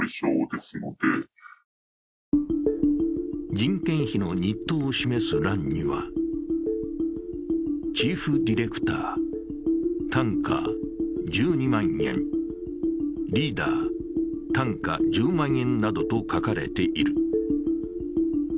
人件費の日当を示す欄には、チーフディレクター、単価１２万円、リーダー、単価１０万円などと書かれている。